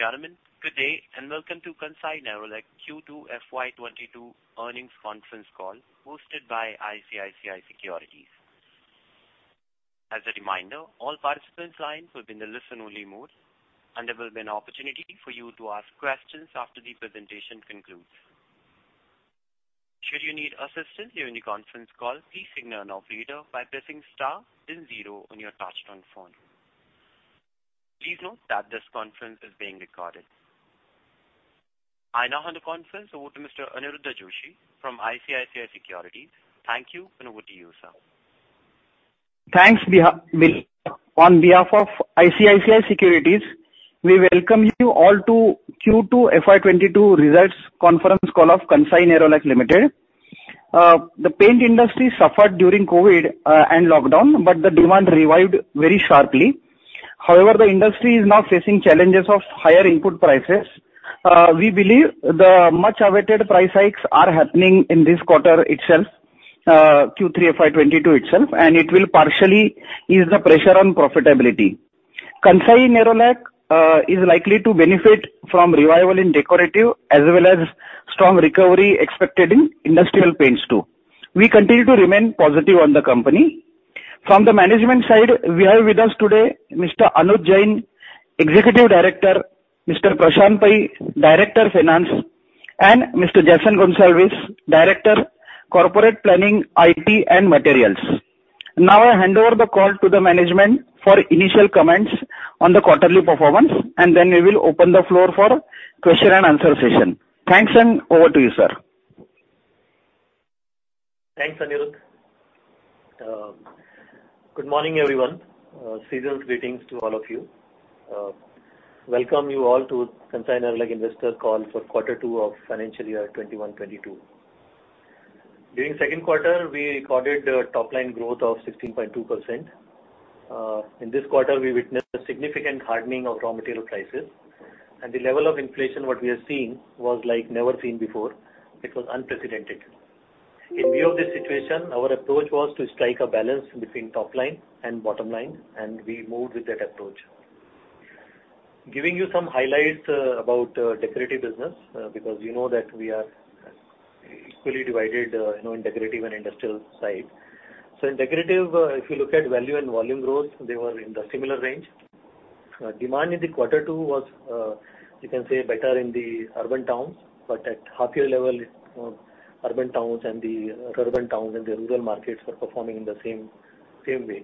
Ladies and gentlemen, good day, and welcome to Kansai Nerolac Q2 FY 2022 Earnings Conference Call hosted by ICICI Securities. As a reminder, all participants' lines will be in the listen-only mode, and there will be an opportunity for you to ask questions after the presentation concludes. Should you need assistance during the conference call, please signal an operator by pressing star then zero on your touchtone phone. Please note that this conference is being recorded. I now hand the conference over to Mr. Aniruddha Joshi from ICICI Securities. Thank you, and over to you, sir. Thanks. On behalf of ICICI Securities, we welcome you all to Q2 FY 2022 results conference call of Kansai Nerolac Limited. The paint industry suffered during COVID and lockdown, but the demand revived very sharply. However, the industry is now facing challenges of higher input prices. We believe the much-awaited price hikes are happening in this quarter itself, Q3 FY 2022 itself, and it will partially ease the pressure on profitability. Kansai Nerolac is likely to benefit from revival in decorative as well as strong recovery expected in industrial paints too. We continue to remain positive on the company. From the management side, we have with us today Mr. Anuj Jain, Executive Director, Mr. Prashant Pai, Director Finance, and Mr. Jason Gonsalves, Director Corporate Planning, IT, and Materials. Now, I hand over the call to the management for initial comments on the quarterly performance, and then we will open the floor for question-and-answer session. Thanks, and over to you, sir. Thanks, Aniruddha. Good morning, everyone. Seasonal greetings to all of you. Welcome you all to Kansai Nerolac investor call for Q2 of FY 2021-2022. During second quarter, we recorded a top line growth of 16.2%. In this quarter, we witnessed a significant hardening of raw material prices, and the level of inflation what we are seeing was like never seen before. It was unprecedented. In view of this situation, our approach was to strike a balance between top line and bottom line, and we moved with that approach. Giving you some highlights about decorative business, because you know that we are equally divided, you know, in decorative and industrial side. In decorative, if you look at value and volume growth, they were in the similar range. Demand in the quarter two was, you can say better in the urban towns, but at half year level, urban towns and the rural markets were performing in the same way.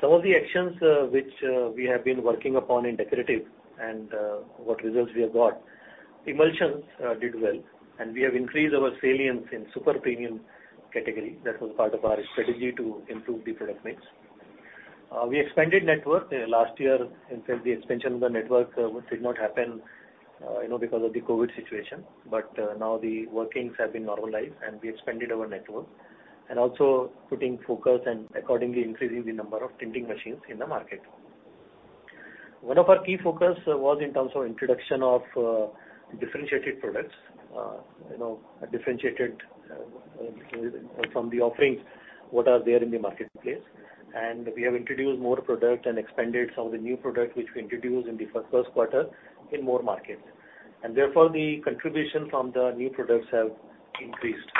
Some of the actions which we have been working upon in decorative and what results we have got, emulsions did well, and we have increased our salience in super premium category. That was part of our strategy to improve the product mix. We expanded network. Last year, in fact, the expansion of the network which did not happen, you know, because of the COVID situation, but now the workings have been normalized, and we expanded our network, and also putting focus and accordingly increasing the number of tinting machines in the market. One of our key focus was in terms of introduction of differentiated products, you know, differentiated from the offerings that are there in the marketplace. We have introduced more product and expanded some of the new product which we introduced in the first quarter in more markets. Therefore, the contribution from the new products have increased.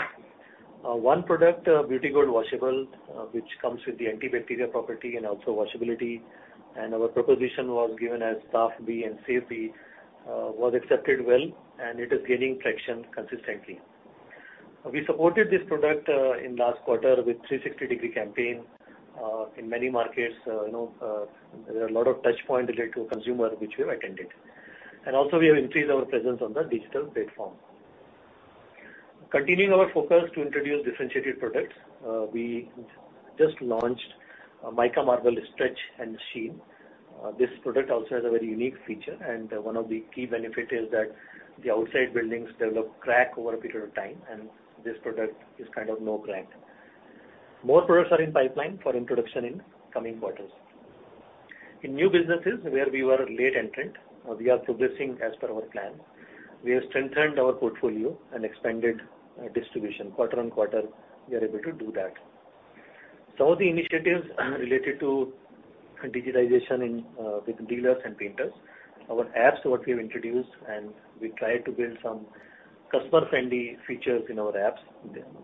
One product, Beauty Gold Washable, which comes with the anti-bacterial property and also washability, and our proposition was given as stability and safety, was accepted well, and it is gaining traction consistently. We supported this product in last quarter with 360-degree campaign in many markets. You know, there are a lot of touchpoints related to consumer, which we've attended. We have also increased our presence on the digital platform. Continuing our focus to introduce differentiated products, we just launched Mica Marble Stretch and Sheen. This product also has a very unique feature, and one of the key benefit is that the outside buildings develop crack over a period of time, and this product is kind of no crack. More products are in pipeline for introduction in coming quarters. In new businesses, where we were late entrant, we are progressing as per our plan. We have strengthened our portfolio and expanded distribution. Quarter-on-quarter, we are able to do that. Some of the initiatives related to digitization in with dealers and painters, our apps what we have introduced, and we try to build some customer-friendly features in our apps.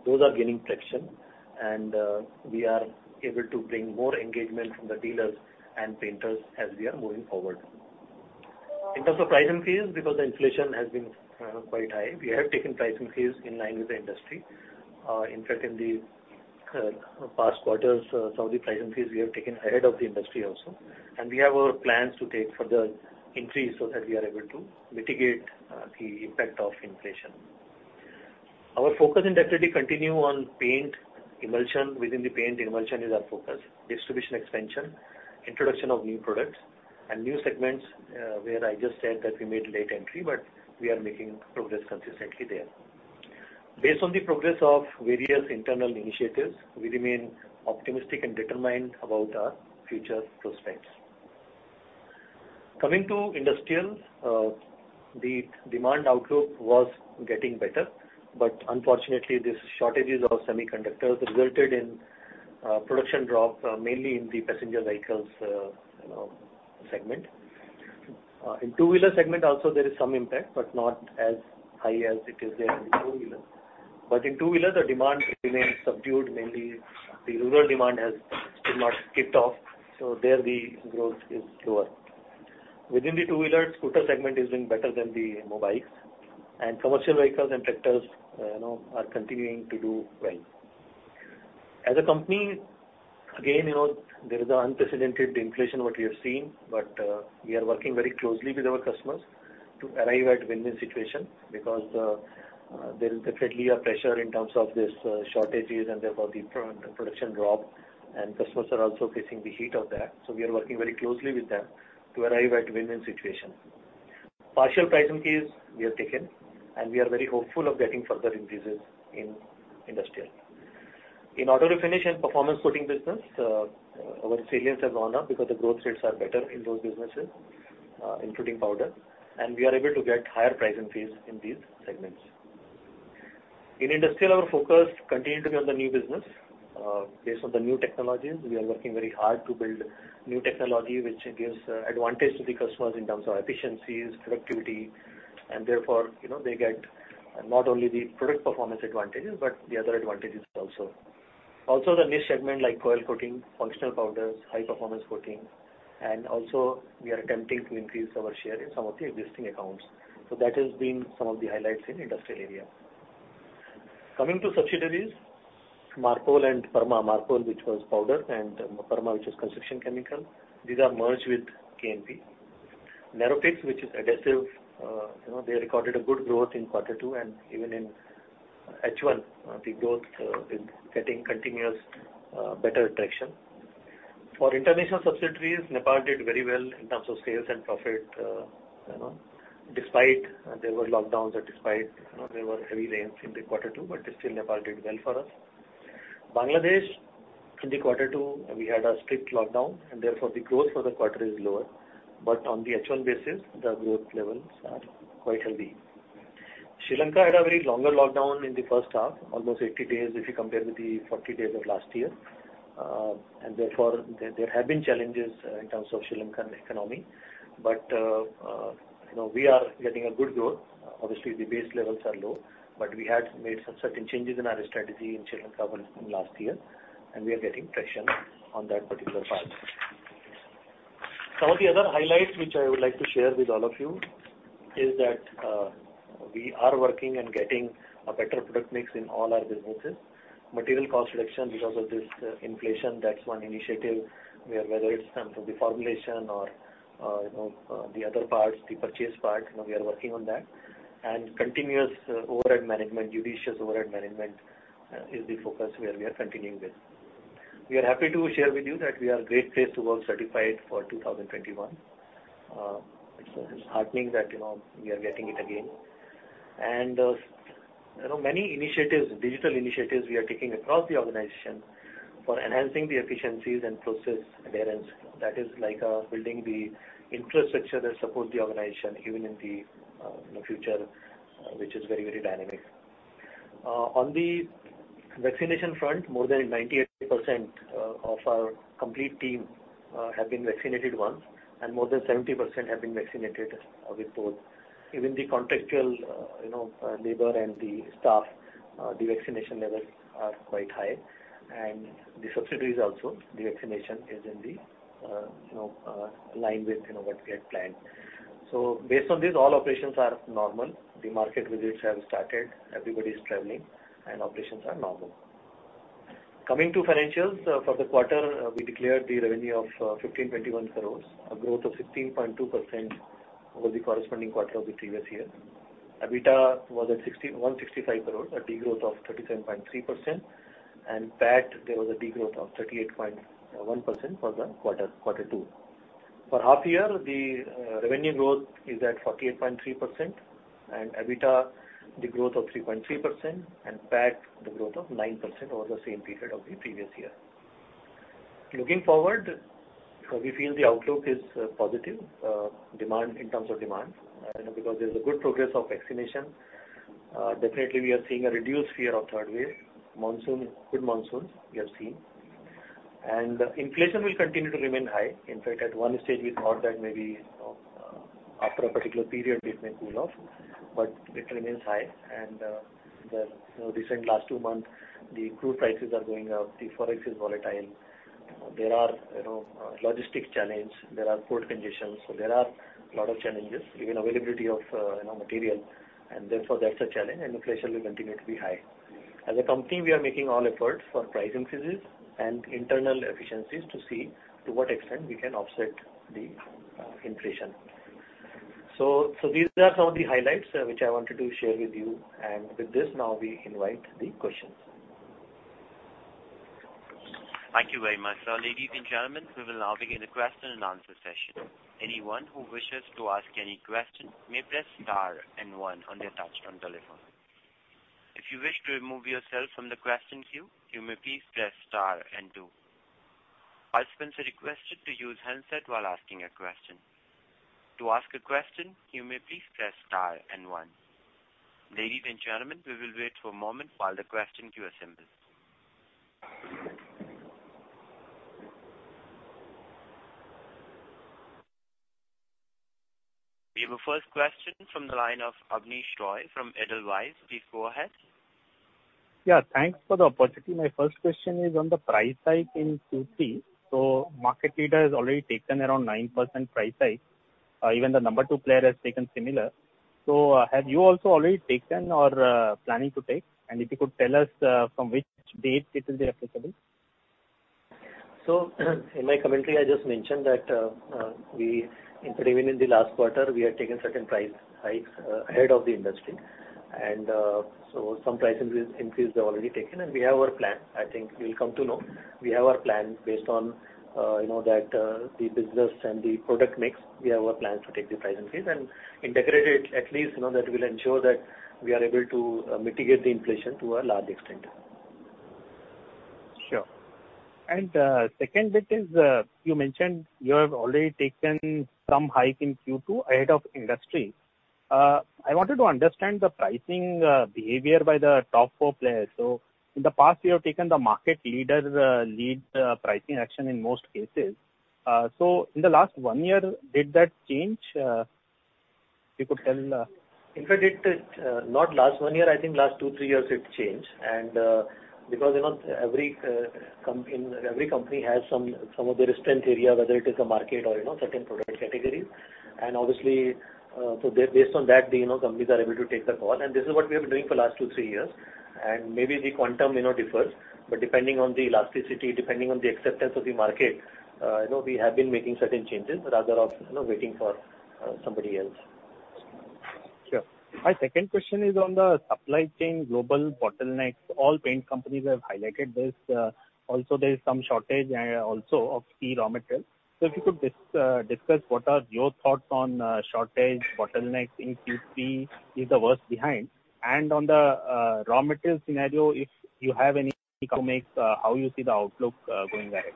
Those are gaining traction, and we are able to bring more engagement from the dealers and painters as we are moving forward. In terms of price increase, because the inflation has been quite high, we have taken price increase in line with the industry. In fact, in the past quarters, some of the price increase we have taken ahead of the industry also. We have our plans to take further increase so that we are able to mitigate the impact of inflation. Our focus in decorative continue on paint, emulsion. Within the paint, emulsion is our focus. Distribution expansion, introduction of new products, and new segments, where I just said that we made late entry, but we are making progress consistently there. Based on the progress of various internal initiatives, we remain optimistic and determined about our future prospects. Coming to industrial, the demand outlook was getting better, but unfortunately, these shortages of semiconductors resulted in production drop, mainly in the passenger vehicles, you know, segment. In two-wheeler segment also there is some impact, but not as high as it is there in the four-wheeler. In two-wheeler, the demand remains subdued. Mainly the rural demand has still not kicked off, so there the growth is lower. Within the two-wheeler, scooter segment is doing better than the motor bikes. Commercial vehicles and tractors, you know, are continuing to do well. As a company, again, you know, there is unprecedented inflation that we have seen, but we are working very closely with our customers to arrive at win-win situation because there is definitely a pressure in terms of these shortages, and therefore the production drop, and customers are also facing the heat of that. We are working very closely with them to arrive at win-win situation. Partial price increases we have taken, and we are very hopeful of getting further increases in industrial. In auto refinish and performance coating business, our sales have gone up because the growth rates are better in those businesses, including powder, and we are able to get higher price increases in these segments. In industrial, our focus continue to be on the new business. Based on the new technologies, we are working very hard to build new technology which gives advantage to the customers in terms of efficiencies, productivity, and therefore, you know, they get not only the product performance advantages, but the other advantages also. The niche segment like coil coating, functional powders, high performance coating, and also we are attempting to increase our share in some of the existing accounts. That has been some of the highlights in industrial area. Coming to subsidiaries, Marpol and Perma. Marpol, which was powder, and Perma, which is construction chemical, these are merged with KNP. Nerofix, which is adhesive, they recorded a good growth in quarter two, and even in H1, the growth is getting continuous better traction. For international subsidiaries, Nepal did very well in terms of sales and profit, you know, despite there were lockdowns and despite, you know, there were heavy rains in the quarter two, but still Nepal did well for us. Bangladesh, in the quarter two, we had a strict lockdown, and therefore the growth for the quarter is lower. On the H1 basis, the growth levels are quite healthy. Sri Lanka had a very long lockdown in the first half, almost 80 days if you compare with the 40 days of last year. And therefore, there have been challenges in terms of Sri Lankan economy. You know, we are getting a good growth. Obviously, the base levels are low, but we had made some certain changes in our strategy in Sri Lanka last year, and we are getting traction on that particular part. Some of the other highlights which I would like to share with all of you is that we are working and getting a better product mix in all our businesses. Material cost reduction because of this inflation, that's one initiative where whether it's from the formulation or the other parts, the purchase part, we are working on that. Continuous overhead management, judicious overhead management is the focus where we are continuing with. We are happy to share with you that we are Great Place to Work-Certified for 2021. It's heartening that we are getting it again. You know, many initiatives, digital initiatives we are taking across the organization for enhancing the efficiencies and process adherence. That is like, building the infrastructure that supports the organization even in the, you know, future, which is very, very dynamic. On the vaccination front, more than 98% of our complete team have been vaccinated once, and more than 70% have been vaccinated with both. Even the contractual, you know, labor and the staff, the vaccination levels are quite high. The subsidiaries also, the vaccination is in the line with what we had planned. Based on this, all operations are normal. The market visits have started, everybody is traveling and operations are normal. Coming to financials. For the quarter, we declared the revenue of 1,521 crores, a growth of 16.2% over the corresponding quarter of the previous year. EBITDA was at 165 crores, a degrowth of 37.3%. PAT, there was a degrowth of 38.1% for the quarter two. For half year, the revenue growth is at 48.3%, and EBITDA, the growth of 3.3%, and PAT, the growth of 9% over the same period of the previous year. Looking forward, we feel the outlook is positive, demand, in terms of demand, you know, because there's a good progress of vaccination. Definitely we are seeing a reduced fear of third wave. Monsoon, good monsoons we are seeing. Inflation will continue to remain high. In fact, at one stage we thought that maybe, you know, after a particular period it may cool off, but it remains high. The recent last two months, the crude prices are going up, the forex is volatile. There are logistics challenges. There are port conditions. There are a lot of challenges. Even availability of material, and therefore that's a challenge, and inflation will continue to be high. As a company, we are making all efforts for price increases and internal efficiencies to see to what extent we can offset the inflation. These are some of the highlights which I wanted to share with you. With this now we invite the questions. Thank you very much. Ladies and gentlemen, we will now begin the question-and-answer session. Anyone who wishes to ask any question may press star and one on their touch-tone telephone. If you wish to remove yourself from the question queue, you may please press star and two. All participants are requested to use handset while asking a question. To ask a question, you may please press star and one. Ladies and gentlemen, we will wait for a moment while the question queue assembles. We have a first question from the line of Abneesh Roy from Edelweiss. Please go ahead. Yeah, thanks for the opportunity. My first question is on the price hike in Q3. Market leader has already taken around 9% price hike. Even the No. 2 player has taken similar. Have you also already taken or planning to take? And if you could tell us from which date it will be applicable. In my commentary, I just mentioned that, including in the last quarter, we have taken certain price hikes ahead of the industry. Some price increase they've already taken, and we have our plan. I think you'll come to know. We have our plan based on, you know, the business and the product mix. We have our plans to take the price increase. Integrated, at least, you know, that will ensure that we are able to mitigate the inflation to a large extent. Sure. Second bit is, you mentioned you have already taken some hike in Q2 ahead of industry. I wanted to understand the pricing behavior by the Top 4 players. In the past you have taken the market leader's lead pricing action in most cases. In the last one year, did that change? In fact, it not last one year, I think last two to three years it changed. Because you know every company has some of their strength area, whether it is a market or you know certain product category. Obviously so based on that the you know companies are able to take the call. This is what we have been doing for the last two to three years. Maybe the quantum you know differs. Depending on the elasticity, depending on the acceptance of the market you know we have been making certain changes rather than you know waiting for somebody else. Sure. My second question is on the supply chain global bottlenecks. All paint companies have highlighted this. Also there is some shortage also of key raw materials. If you could discuss what are your thoughts on shortage, bottlenecks in Q3, is the worst behind? On the raw material scenario, if you have any comments, how you see the outlook going ahead?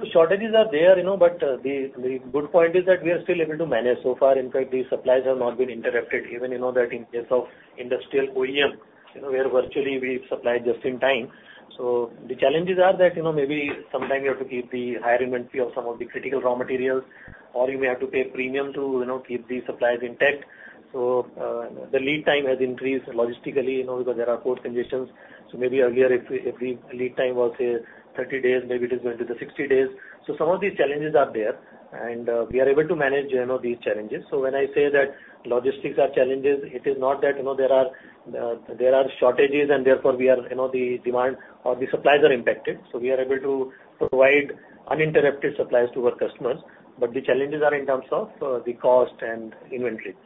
The shortages are there, you know, but the good point is that we are still able to manage so far. In fact, the supplies have not been interrupted. Even you know that in case of industrial OEM, you know, where virtually we supply just in time. The challenges are that, you know, maybe sometime you have to keep the higher inventory of some of the critical raw materials, or you may have to pay premium to, you know, keep the supplies intact. The lead time has increased logistically, you know, because there are port congestions. Maybe earlier if the lead time was, say, 30 days, maybe it is going to the 60 days. Some of these challenges are there, and we are able to manage, you know, these challenges. When I say that logistics are challenges, it is not that, you know, there are shortages and therefore the demand or the supplies are impacted. We are able to provide uninterrupted supplies to our customers. The challenges are in terms of the cost and inventory.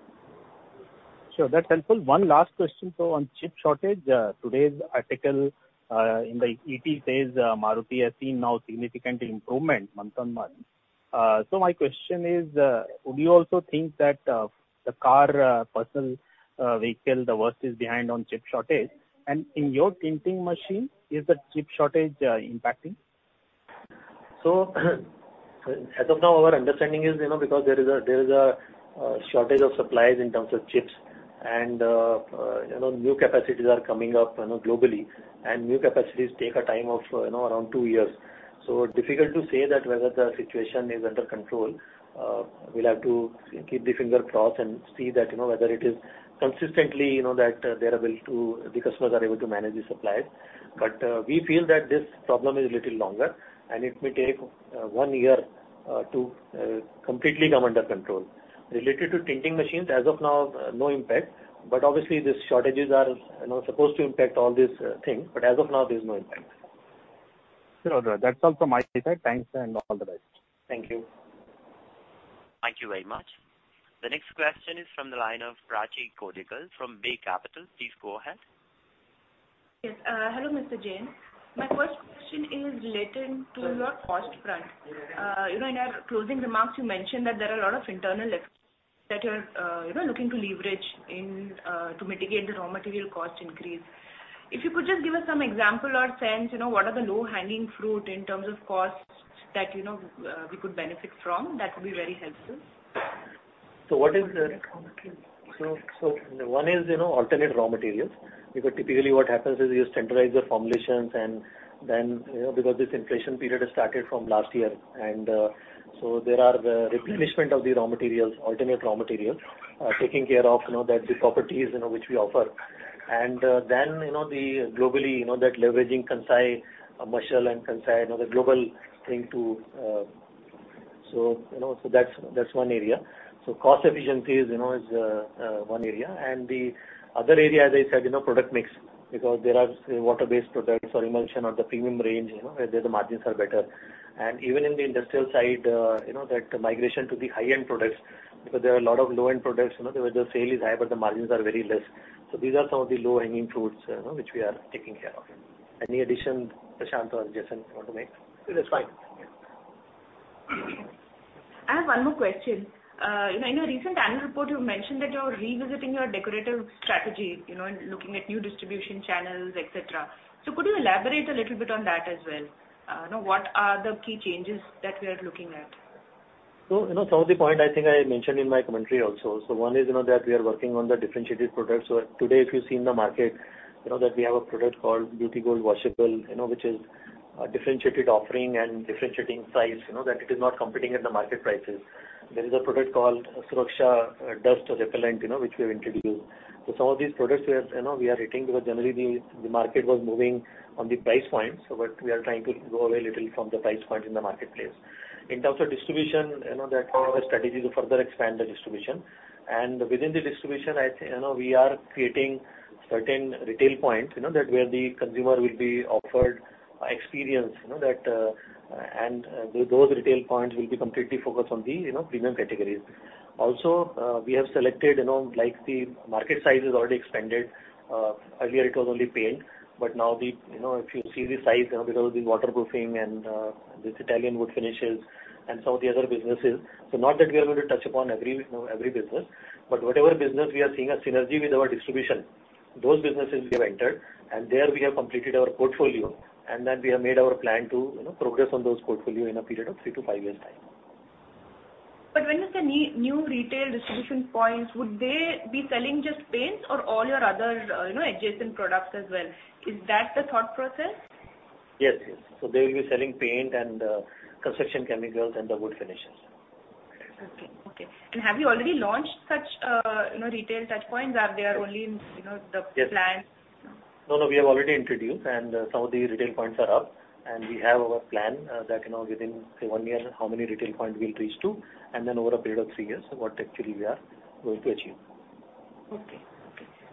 Sure, that's helpful. One last question. On chip shortage, today's article in the ET says Maruti has now seen significant improvement month-on-month. My question is, would you also think that the personal vehicle, the worst is behind on chip shortage? In your tinting machine, is the chip shortage impacting? As of now, our understanding is, you know, because there is a shortage of supplies in terms of chips and, you know, new capacities are coming up, you know, globally, and new capacities take a time of, you know, around two years. Difficult to say that whether the situation is under control. We'll have to keep the finger crossed and see that, you know, whether it is consistently, you know, that the customers are able to manage the supplies. We feel that this problem is a little longer, and it may take one year to completely come under control. Related to tinting machines, as of now, no impact. Obviously these shortages are, you know, supposed to impact all these things. As of now, there's no impact. Sure. That's all from my side. Thanks, and all the best. Thank you. Thank you very much. The next question is from the line of Prachi Kodikal from Bay Capital. Please go ahead. Yes. Hello, Mr. Jain. My first question is relating to your cost front. In our closing remarks, you mentioned that there are a lot of internal efforts that you're looking to leverage into mitigate the raw material cost increase. If you could just give us some example or sense, you know, what are the low-hanging fruit in terms of costs that, you know, we could benefit from, that would be very helpful. One is, you know, alternative raw materials. Because typically what happens is you centralize your formulations and then, you know, because this inflation period has started from last year. There are the replenishment of the raw materials, alternative raw materials, taking care of, you know, that the properties, you know, which we offer. Then, you know, globally, you know, that leveraging Kansai Malaysia and Kansai, you know, the global thing to do so, you know, so that's one area. Cost efficiency is, you know, one area. The other area, as I said, you know, product mix, because there are water-based products or emulsion or the premium range, you know, where the margins are better. Even in the industrial side, you know, that migration to the high-end products, because there are a lot of low-end products, you know, where the sale is high, but the margins are very less. These are some of the low-hanging fruits, you know, which we are taking care of. Any addition, Prashant or Jason you want to make? It is fine. Yeah. I have one more question. You know, in your recent annual report, you mentioned that you're revisiting your decorative strategy, you know, and looking at new distribution channels, et cetera. Could you elaborate a little bit on that as well? You know, what are the key changes that we are looking at? You know, some of the points I think I mentioned in my commentary also. One is, you know, that we are working on the differentiated products. Today, if you see in the market, you know, that we have a product called Beauty Gold Washable, you know, which is a differentiated offering and differentiating price, you know, that it is not competing at the market prices. There is a product called Suraksha, a dust repellent, you know, which we have introduced. Some of these products we have, you know, we are retaining because generally the market was moving on the price point. What we are trying to go away a little from the price point in the marketplace. In terms of distribution, you know, that we have a strategy to further expand the distribution. Within the distribution, I you know, we are creating certain retail points, you know, that where the consumer will be offered experience, you know, that, and those retail points will be completely focused on the, you know, premium categories. Also, we have selected, you know, like the market size has already expanded. Earlier it was only paint, but now the, you know, if you see the size, you know, because of the waterproofing and, this Italian wood finishes and some of the other businesses. Not that we are going to touch upon every, you know, every business, but whatever business we are seeing a synergy with our distribution, those businesses we have entered, and there we have completed our portfolio, and then we have made our plan to, you know, progress on those portfolio in a period of three- to five-year time. When you say new retail distribution points, would they be selling just paints or all your other, you know, adjacent products as well? Is that the thought process? Yes, yes. They will be selling paint and construction chemicals and the wood finishes. Okay. Have you already launched such retail touchpoints? Or are they only in the plans? Yes. No, no, we have already introduced, and some of the retail points are up, and we have our plan, that, you know, within, say, one year how many retail points we'll reach to, and then over a period of three years, what actually we are going to achieve. Okay.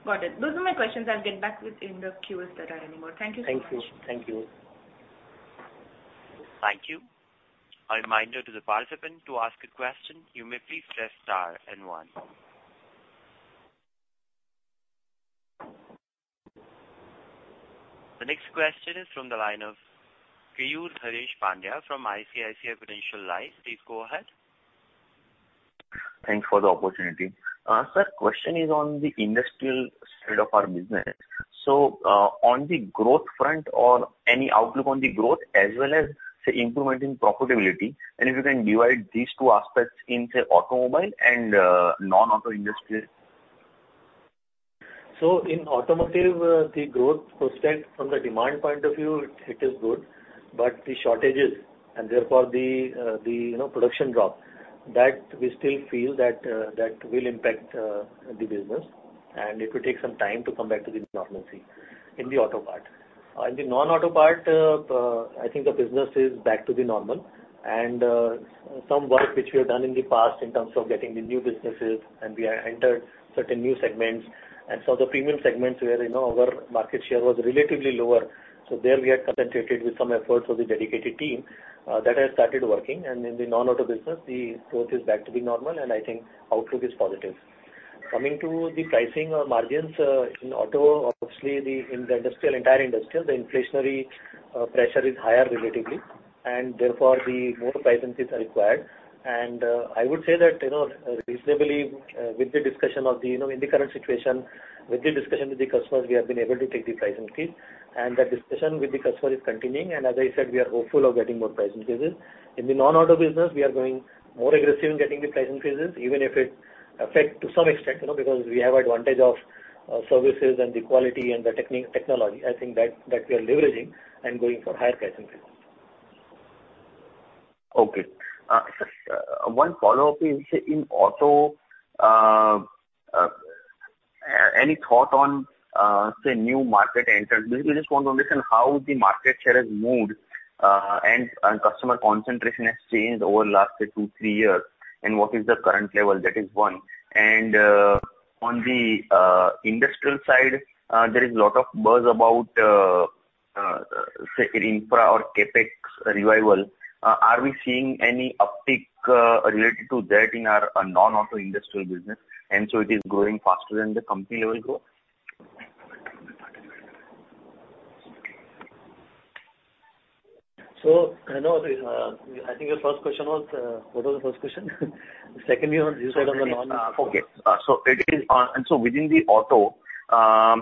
Got it. Those are my questions. I'll get back within the queue if there are any more. Thank you so much. Thank you. Thank you. Thank you. A reminder to the participant to ask a question, you may please press star and one. The next question is from the line of Keyur Haresh Pandya from ICICI Prudential Life. Please go ahead. Thanks for the opportunity. Sir, question is on the industrial side of our business. On the growth front or any outlook on the growth as well as, say, improvement in profitability, and if you can divide these two aspects in, say, automobile and, non-auto industries. In automotive, the growth percent from the demand point of view, it is good, but the shortages and therefore the, you know, production drop, that we still feel will impact the business and it will take some time to come back to the normalcy in the auto part. In the non-auto part, I think the business is back to normal and some work which we have done in the past in terms of getting the new businesses and we have entered certain new segments. The premium segments where, you know, our market share was relatively lower. There we have concentrated with some efforts of the dedicated team that has started working. In the non-auto business, the growth is back to normal, and I think outlook is positive. Coming to the pricing or margins, in auto, obviously, in the entire industrial, the inflationary pressure is higher relatively, and therefore the more price increases are required. I would say that, you know, reasonably, with the discussion, you know, in the current situation with the customers, we have been able to take the price increase, and that discussion with the customer is continuing. As I said, we are hopeful of getting more price increases. In the non-auto business, we are going more aggressive in getting the price increases, even if it affect to some extent, you know, because we have advantage of services and the quality and the technology. I think that we are leveraging and going for higher price increases. Okay. Sir, one follow-up is, in auto, any thought on, say, new market entrants? Because we just want to understand how the market share has moved, and customer concentration has changed over the last, say, two to three years, and what is the current level? That is one. On the industrial side, there is lot of buzz about, say, infra or CapEx revival. Are we seeing any uptick related to that in our non-auto industrial business, and is it growing faster than the company level growth? I know, I think your first question was-- what was the first question? Secondly on this one Within the auto, how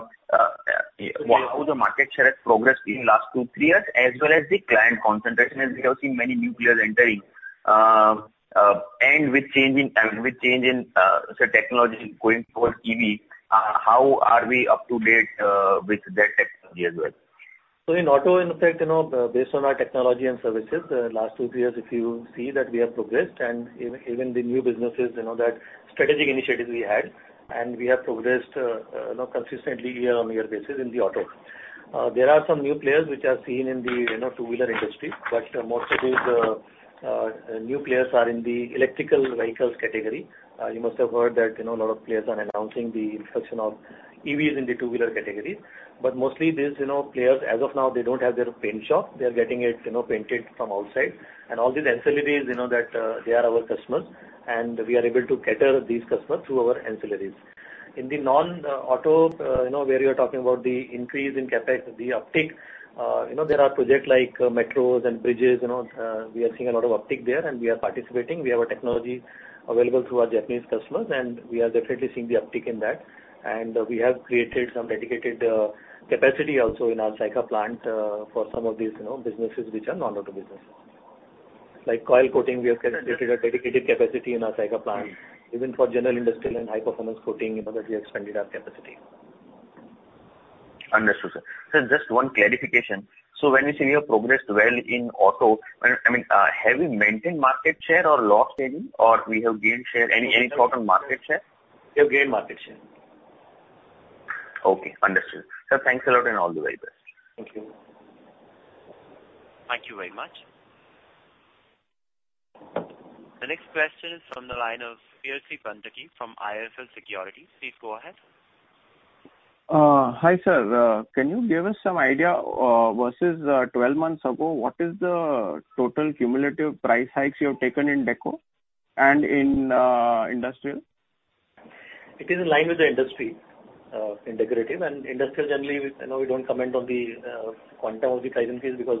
the market share has progressed in last two to three years as well as the client concentration, as we have seen many new players entering, and with change in, say technology going towards EV, how are we up to date with that technology as well? In auto, in fact, you know, based on our technology and services, last two to three years, if you see that we have progressed and even the new businesses, you know, that strategic initiatives we had, and we have progressed, you know, consistently year-on-year basis in the auto. There are some new players which are seen in the, you know, two-wheeler industry, but most of these new players are in the electric vehicles category. You must have heard that, you know, a lot of players are announcing the introduction of EVs in the two-wheeler categories. Mostly these, you know, players as of now, they don't have their paint shop. They are getting it, you know, painted from outside. All these ancillaries, you know, that they are our customers, and we are able to cater these customers through our ancillaries. In the non-auto, you know, where you're talking about the increase in CapEx, the uptick, you know, there are projects like metros and bridges, you know, we are seeing a lot of uptick there, and we are participating. We have a technology available through our Japanese customers, and we are definitely seeing the uptick in that. We have created some dedicated capacity also in our Sayakha plant for some of these, you know, businesses which are non-auto business. Like coil coating, we have created a dedicated capacity in our Sayakha plant. Even for general industrial and high-performance coating, you know, that we expanded our capacity. Understood, sir. Just one clarification. When you say you have progressed well in auto, I mean, have you maintained market share or lost any, or we have gained share? Any thought on market share? We have gained market share. Okay, understood. Sir, thanks a lot and all the very best. Thank you. Thank you very much. The next question is from the line of Percy Panthaki from IIFL Securities. Please go ahead. Hi sir. Can you give us some idea versus 12 months ago, what is the total cumulative price hikes you have taken in deco and in industrial? It is in line with the industry in decorative. Industrial generally, you know, we don't comment on the quantum of the price increase because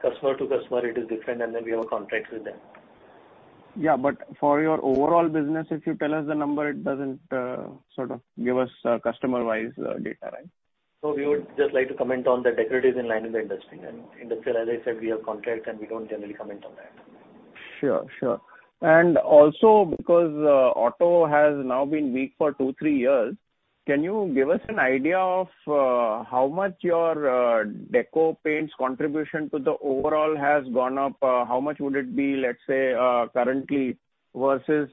customer to customer it is different, and then we have a contract with them. Yeah, for your overall business, if you tell us the number, it doesn't sort of give us customer-wise data, right? We would just like to comment on the decorative is in line with the industry. Industrial, as I said, we have contracts, and we don't generally comment on that. Sure, sure. Also because auto has now been weak for two to three years, can you give us an idea of how much your deco paints contribution to the overall has gone up? How much would it be, let's say, currently versus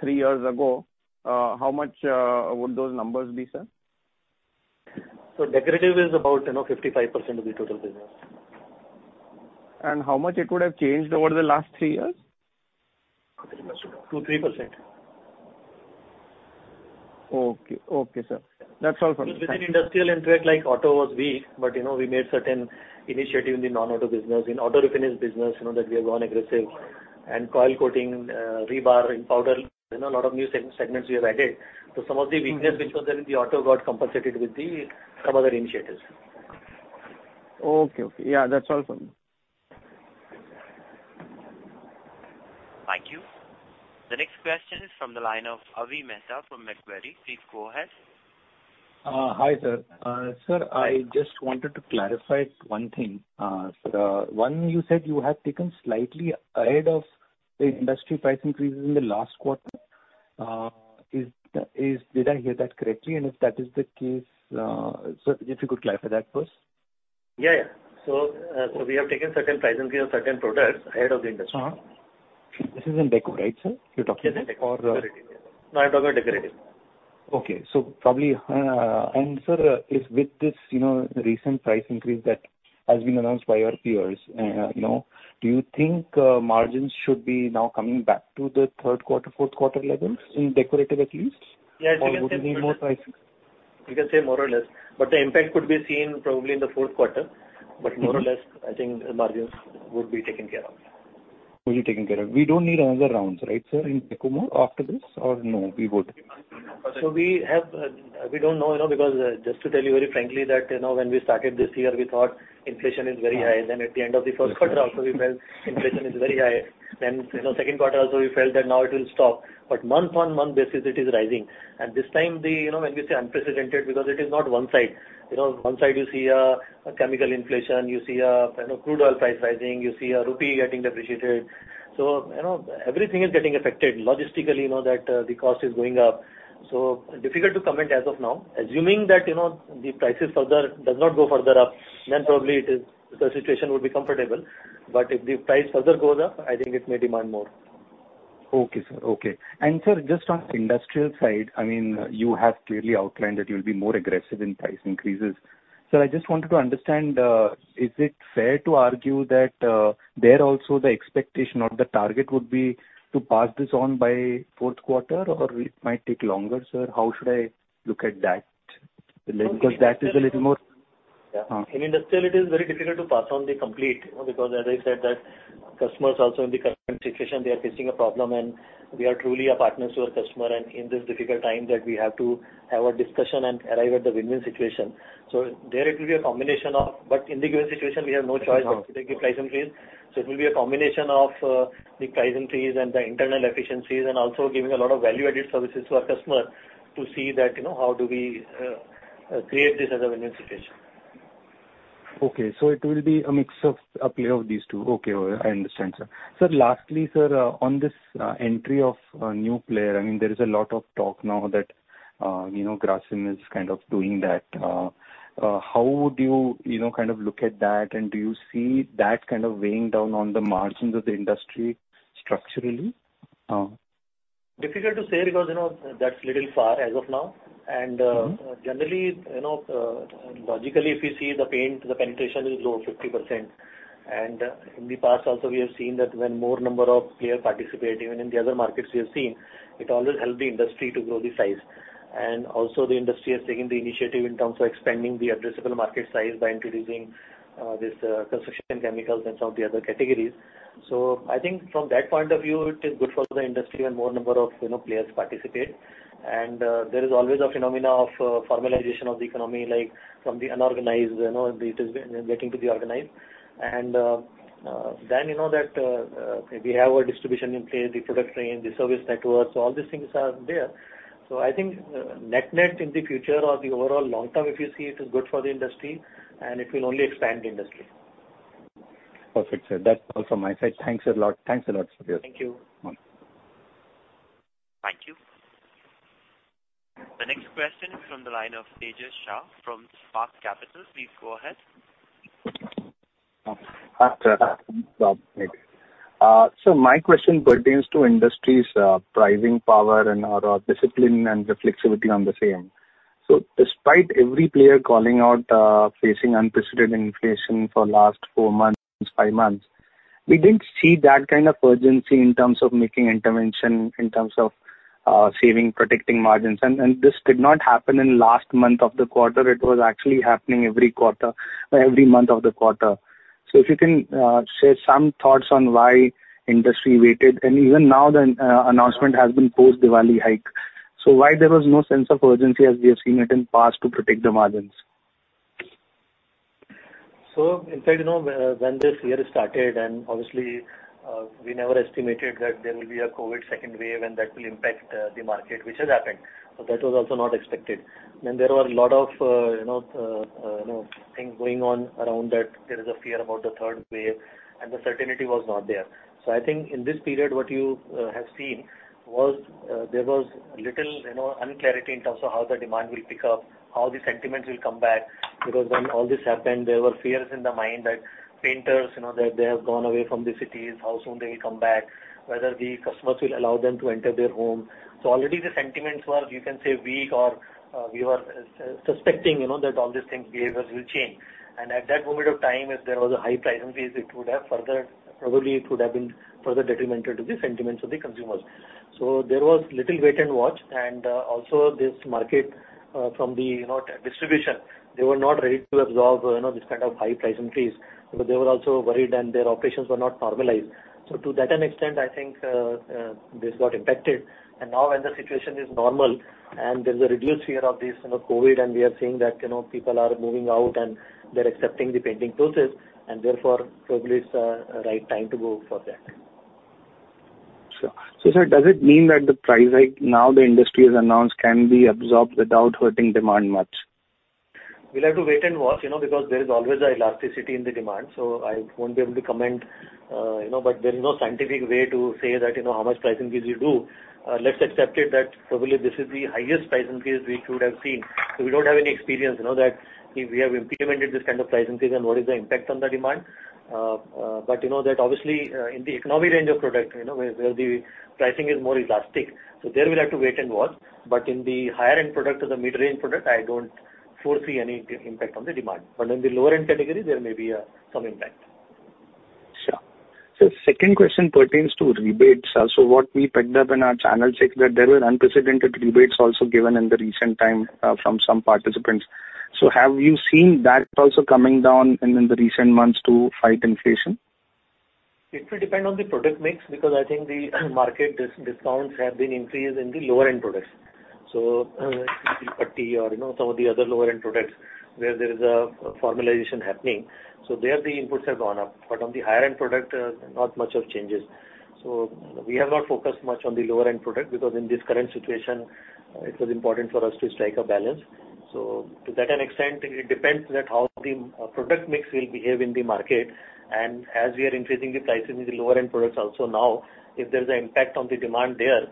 three years ago? How much would those numbers be, sir? Decorative is about, you know, 55% of the total business. How much it would have changed over the last three years? 2%-3%. Okay, sir. That's all from me. Thank you. Within industrial and trade like auto was weak, but you know, we made certain initiatives in the non-auto business. In auto refinish business, you know, that we have gone aggressive. Coil coating, rebar in powder, you know, a lot of new segments we have added. Some of the weakness which was there in the auto got compensated with some other initiatives. Okay. Yeah, that's all from me. Thank you. The next question is from the line of Avi Mehta from Macquarie. Please go ahead. Hi sir. Sir, I just wanted to clarify one thing. One you said you have taken slightly ahead of the industry price increases in the last quarter. Did I hear that correctly? If that is the case, sir, if you could clarify that first. Yeah. We have taken certain price increase of certain products ahead of the industry. This is in deco, right, sir? You're talking about? Yes, decorative. No, I'm talking about decorative. Okay. Probably, and sir, if with this recent price increase that has been announced by your peers, do you think, margins should be now coming back to the third quarter, fourth quarter levels in decorative at least? Yes. Would we need more price increase? You can say more or less, but the impact could be seen probably in the fourth quarter. More or less, I think margins would be taken care of. Will be taken care of. We don't need another rounds, right, sir, in deco more after this or no, we would? We don't know, you know, because just to tell you very frankly that, you know, when we started this year we thought inflation is very high. At the end of the first quarter also we felt inflation is very high. You know, second quarter also we felt that now it will stop. Month-on-month basis it is rising. This time, you know, when we say unprecedented because it is not one side. You know, one side you see a chemical inflation, you see, you know, crude oil price rising, you see the rupee getting depreciated. You know, everything is getting affected. Logistically, you know that the cost is going up. Difficult to comment as of now. Assuming that, you know, the prices further does not go further up, then probably it is the situation would be comfortable. If the price further goes up, I think it may demand more. Okay. Sir, just on industrial side, I mean, you have clearly outlined that you'll be more aggressive in price increases. Sir, I just wanted to understand, is it fair to argue that, there also the expectation or the target would be to pass this on by fourth quarter or it might take longer, sir? How should I look at that? Because that is a little more— In industrial it is very difficult to pass on the complete, you know, because as I said that customers also in the current situation they are facing a problem and we are truly a partners to our customer and in this difficult time that we have to have a discussion and arrive at the win-win situation. There it will be a combination. In the given situation we have no choice but to take price increase. It will be a combination of the price increase and the internal efficiencies and also giving a lot of value added services to our customer to see that, you know, how do we create this as a win-win situation. Okay. It will be a mix of, a play of these two. Okay. I understand, sir. Lastly, sir, on this entry of a new player, I mean, there is a lot of talk now that, you know, Grasim is kind of doing that. How would you know, kind of look at that? Do you see that kind of weighing down on the margins of the industry structurally? Difficult to say because, you know, that's little far as of now. Generally, you know, logically if you see the paint, the penetration is low 50%. In the past also we have seen that when more number of player participate, even in the other markets we have seen, it always help the industry to grow the size. Also the industry has taken the initiative in terms of expanding the addressable market size by introducing, this, construction chemicals and some of the other categories. I think from that point of view, it is good for the industry and more number of, you know, players participate. There is always a phenomena of, formalization of the economy, like from the unorganized, you know, it is getting to be organized. Then you know that, we have our distribution in place, the product range, the service network. All these things are there. I think, net-net in the future or the overall long term, if you see it is good for the industry and it will only expand the industry. Perfect, sir. That's all from my side. Thanks a lot. Thanks a lot, sir. Thank you. Thank you. The next question is from the line of Tejas Shah from Spark Capital. Please go ahead. My question pertains to the industry's pricing power and/or discipline and reflexivity on the same. Despite every player calling out facing unprecedented inflation for the last four months, five months, we didn't see that kind of urgency in terms of making intervention, in terms of saving, protecting margins. And this did not happen in the last month of the quarter. It was actually happening every quarter or every month of the quarter. If you can share some thoughts on why the industry waited, and even now the announcement has been a post-Diwali hike. Why was there no sense of urgency as we have seen it in the past to protect the margins? In fact, you know, when this year started, and obviously, we never estimated that there will be a COVID second wave and that will impact the market, which has happened. That was also not expected. There were a lot of, you know, things going on around that. There is a fear about the third wave, and the certainty was not there. I think in this period, what you have seen was there was little, you know, uncertainty in terms of how the demand will pick up, how the sentiment will come back, because when all this happened, there were fears in the mind that painters, you know, that they have gone away from the cities, how soon they will come back, whether the customers will allow them to enter their home. Already the sentiments were, you can say, weak or, we were suspecting, you know, that all these things, behaviors will change. At that moment of time, if there was a high price increase, it would have probably been further detrimental to the sentiments of the consumers. There was little wait and watch. Also this market, from the, you know, distribution, they were not ready to absorb, you know, this kind of high price increase. They were also worried, and their operations were not normalized. To that extent, I think, this got impacted. Now when the situation is normal and there's a reduced fear of this, you know, COVID, and we are seeing that, you know, people are moving out and they're accepting the painting process, and therefore probably it's a right time to go for that. Sir, does it mean that the price hike now the industry has announced can be absorbed without hurting demand much? We'll have to wait and watch, you know, because there is always an elasticity in the demand. I won't be able to comment, you know. There is no scientific way to say that, you know, how much price increase you do. Let's accept it that probably this is the highest price increase we could have seen. We don't have any experience, you know, that if we have implemented this kind of price increase and what is the impact on the demand. You know that obviously in the economy range of product, you know, where the pricing is more elastic, so there we'll have to wait and watch. In the higher end product or the mid-range product, I don't foresee any impact on the demand. In the lower end category, there may be some impact. Sure. Second question pertains to rebates. What we picked up in our channel check that there were unprecedented rebates also given in the recent time from some participants. Have you seen that also coming down in the recent months to fight inflation? It will depend on the product mix, because I think the market discounts have been increased in the lower end products. Some of the other lower end products where there is a formalization happening. There the inputs have gone up. On the higher end product, not much of changes. We have not focused much on the lower end product because in this current situation, it was important for us to strike a balance. To that extent, it depends that how the product mix will behave in the market. As we are increasing the prices in the lower end products also now, if there's an impact on the demand there,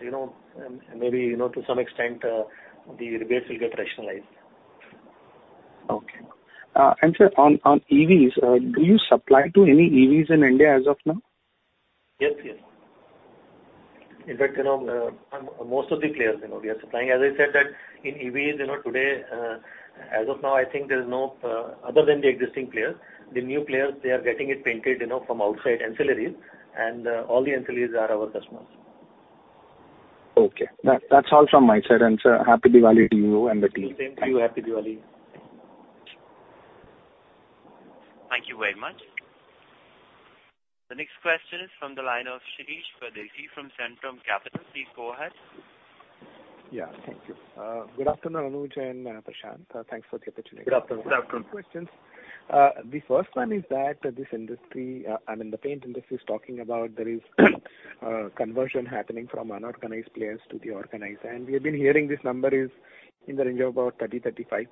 you know, maybe, you know, to some extent, the rebates will get rationalized. Okay. Sir, on EVs, do you supply to any EVs in India as of now? Yes, yes. In fact, you know, on most of the players, you know, we are supplying. As I said that in EVs, you know, today, as of now, I think there's no other than the existing players. The new players, they are getting it painted, you know, from outside ancillaries, and all the ancillaries are our customers. Okay. That's all from my side. Sir, Happy Diwali to you and the team. Same to you. Happy Diwali. Thank you very much. The next question is from the line of Shirish Pardeshi from Centrum Capital. Please go ahead. Yeah, thank you. Good afternoon, Anuj and Prashant. Thanks for the opportunity. Good afternoon. Good afternoon. Two questions. The first one is that this industry, I mean, the paint industry is talking about there is conversion happening from unorganized players to the organized, and we have been hearing this number is in the range of about 30%-35%.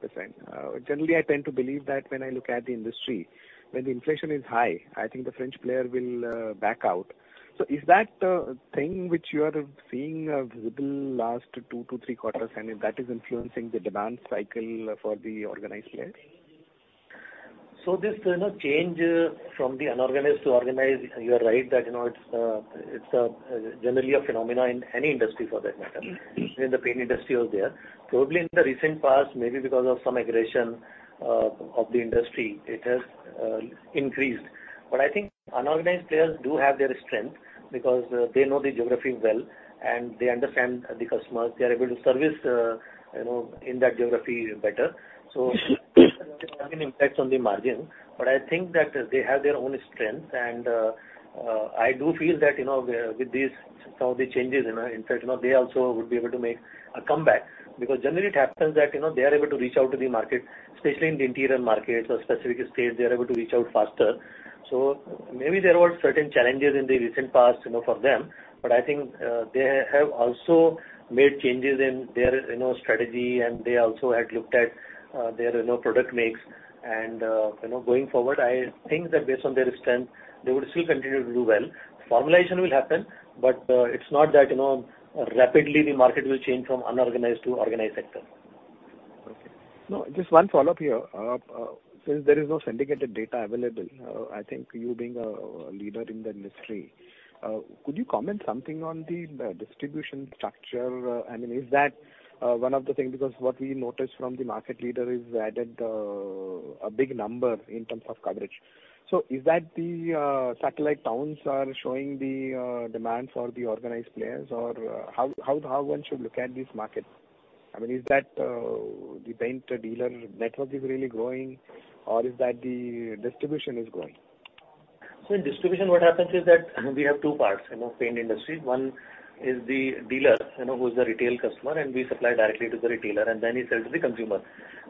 Generally, I tend to believe that when I look at the industry, when the inflation is high, I think the fringe player will back out. Is that thing which you are seeing visible last two to three quarters, and if that is influencing the demand cycle for the organized players? This, you know, change from the unorganized to organized, you are right that, you know, it's generally a phenomenon in any industry for that matter. In the paint industry also there. Probably in the recent past, maybe because of some aggression of the industry, it has increased. I think unorganized players do have their strength because they know the geography well and they understand the customers. They are able to service you know in that geography better. Having impacts on the margin, but I think that they have their own strengths and I do feel that you know with these sort of the changes you know in fact you know they also would be able to make a comeback. Generally it happens that you know they are able to reach out to the market, especially in the interior markets or specific states, they are able to reach out faster. Maybe there were certain challenges in the recent past, you know, for them, but I think, they have also made changes in their, you know, strategy and they also had looked at, their, you know, product mix and, you know, going forward, I think that based on their strength they would still continue to do well. Formalization will happen, but, it's not that, you know, rapidly the market will change from unorganized to organized sector. No, just one follow-up here. Since there is no syndicated data available, I think you being a leader in the industry, could you comment something on the distribution structure? I mean, is that one of the things because what we noticed from the market leader is they added a big number in terms of coverage. So is that the satellite towns are showing the demand for the organized players or how one should look at this market? I mean is that the paint dealer network is really growing or is that the distribution is growing? In distribution what happens is that we have two parts in our paint industry. One is the dealer, you know, who is the retail customer and we supply directly to the retailer and then he sells to the consumer.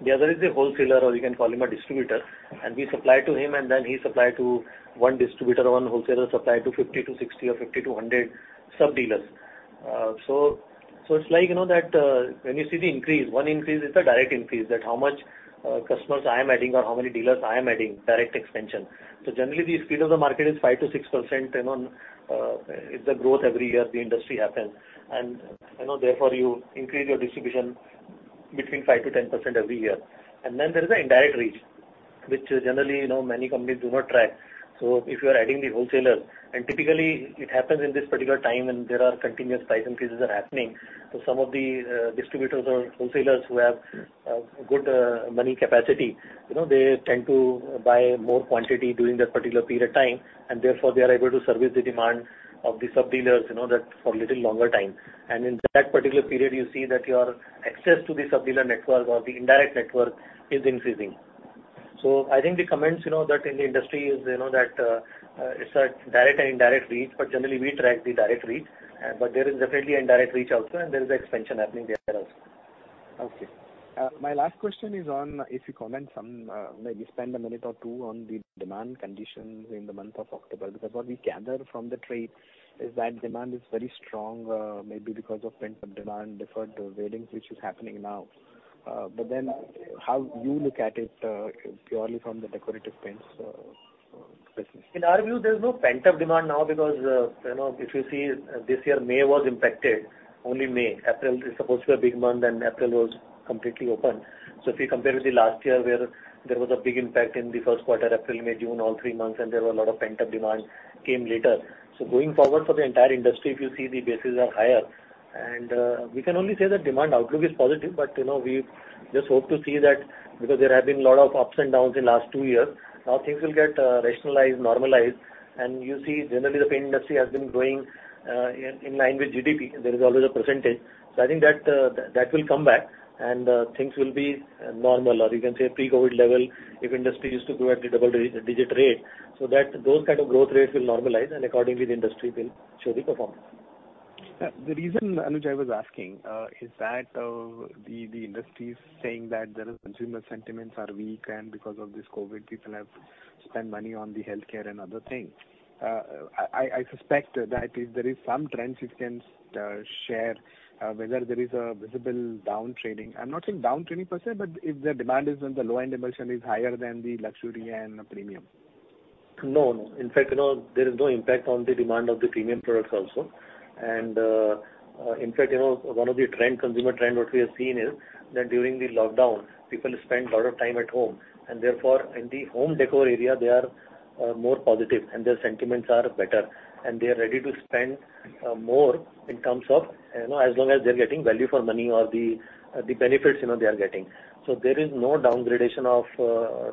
The other is the wholesaler or you can call him a distributor and we supply to him and then he supply to one distributor. One wholesaler supply to 50-60 or 50-100 sub dealers. It's like you know that, when you see the increase, one increase is the direct increase that how much, customers I am adding or how many dealers I am adding direct expansion. Generally the speed of the market is 5%-6%, you know, is the growth every year the industry happens. You know therefore you increase your distribution between 5%-10% every year. Then there is an indirect reach which generally you know many companies do not track. If you are adding the wholesaler and typically it happens in this particular time when there are continuous price increases are happening. Some of the distributors or wholesalers who have good money capacity, you know, they tend to buy more quantity during that particular period of time and therefore they are able to service the demand of the sub dealers you know that for little longer time. In that particular period you see that your access to the sub dealer network or the indirect network is increasing. I think the comments you know that in the industry is you know that, it's a direct and indirect reach but generally we track the direct reach. There is definitely an indirect reach also and there is expansion happening there also. Okay. My last question is on if you comment some, maybe spend a minute or two on the demand conditions in the month of October because what we gather from the trade is that demand is very strong, maybe because of pent-up demand, deferred weddings which is happening now. How you look at it, purely from the decorative paints business? In our view there's no pent-up demand now because, you know if you see this year May was impacted, only May. April is supposed to be a big month and April was completely open. So if you compare with the last year where there was a big impact in the first quarter April, May, June all three months and there were a lot of pent-up demand came later. So going forward for the entire industry if you see the bases are higher and we can only say that demand outlook is positive but you know we just hope to see that because there have been a lot of ups and downs in last two years. Now things will get rationalized, normalized and you see generally the paint industry has been growing in line with GDP. There is always a percentage. I think that will come back and things will be normal or you can say pre-COVID level if industry used to grow at the double-digit rate. Those kind of growth rates will normalize and accordingly the industry will show the performance. The reason, Anuj, I was asking, is that the industry is saying that there is consumer sentiments are weak and because of this COVID people have spent money on the healthcare and other things. I suspect that if there is some trends you can share whether there is a visible down trading. I'm not saying down trading per se but if the demand is on the low end emulsion is higher than the luxury and premium. No, no. In fact you know there is no impact on the demand of the premium products also. In fact you know one of the trend, consumer trend what we have seen is that during the lockdown people spent a lot of time at home and therefore in the home decor area they are more positive and their sentiments are better and they are ready to spend more in terms of, you know, as long as they're getting value for money or the benefits you know they are getting. There is no downgrading of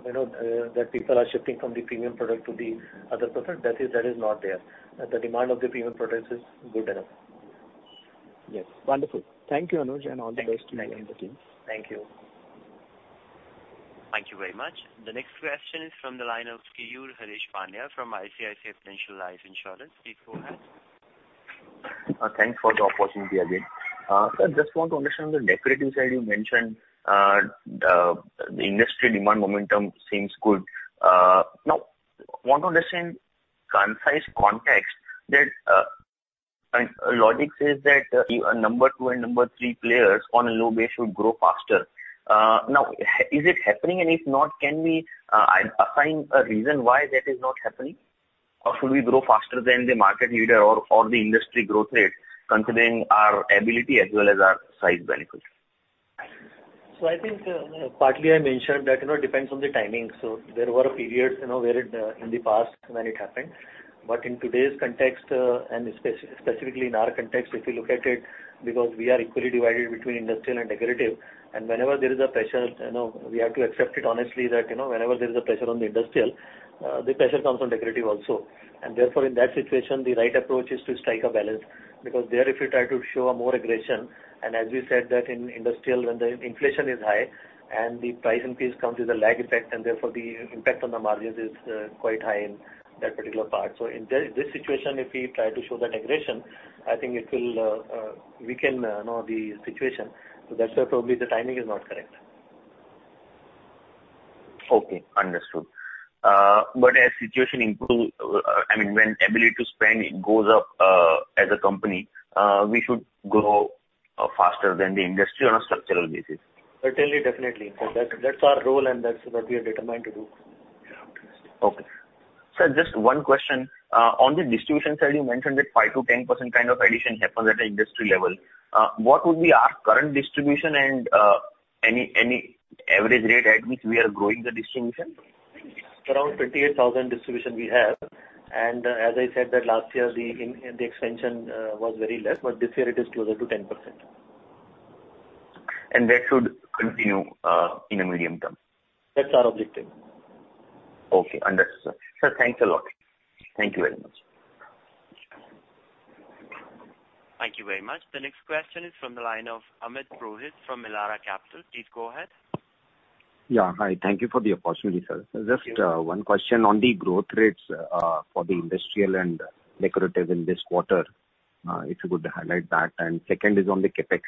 you know that people are shifting from the premium product to the other product. That is not there. The demand of the premium products is good enough. Yes. Wonderful. Thank you Anuj and all the best to you and the team. Thank you. Thank you very much. The next question is from the line of Keyur Haresh Pandya from ICICI Prudential Life Insurance. Please go ahead. Thanks for the opportunity again. Sir, I just want to understand the decorative side you mentioned. The industry demand momentum seems good. Now, I want to understand Kansai context that logic says that No. 2 and No. 3 players on a low base should grow faster. Now, is it happening? If not, can we assign a reason why that is not happening? Or should we grow faster than the market leader or the industry growth rate considering our ability as well as our size benefit? I think, partly I mentioned that, you know, it depends on the timing. There were periods, you know, where in the past when it happened. In today's context, and specifically in our context, if you look at it, because we are equally divided between industrial and decorative, and whenever there is a pressure, you know, we have to accept it honestly that, you know, whenever there is a pressure on the industrial, the pressure comes on decorative also. Therefore, in that situation, the right approach is to strike a balance, because there if we try to show more aggression. And as we said that in industrial when the inflation is high and the price increase comes with a lag effect and therefore the impact on the margins is quite high in that particular part. In this situation, if we try to show that aggression, I think it will weaken, you know, the situation. That's why probably the timing is not correct. Okay. Understood. As situation improve, I mean, when ability to spend goes up, as a company, we should grow faster than the industry on a structural basis. Certainly, definitely. That's our role and that's what we are determined to do. Okay. Sir, just one question. On the distribution side, you mentioned that 5%-10% kind of addition happens at the industry level. What would be our current distribution and, any average rate at which we are growing the distribution? Around 28,000 distribution we have, and as I said that last year the expansion was very less, but this year it is closer to 10%. That should continue in the medium term. That's our objective. Okay. Understood. Sir, thanks a lot. Thank you very much. Thank you very much. The next question is from the line of Amit Purohit from Elara Capital. Please go ahead. Yeah. Hi. Thank you for the opportunity, sir. Just, one question on the growth rates for the industrial and decorative in this quarter. If you could highlight that. Second is on the CapEx.